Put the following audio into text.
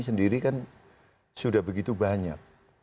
sendiri kan sudah begitu banyak